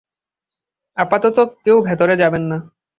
আপাতত কেউ ভেতরে যাবেন না।